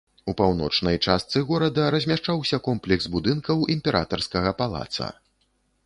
У паўночнай частцы горада размяшчаўся комплекс будынкаў імператарскага палаца.